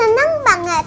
aku endang banget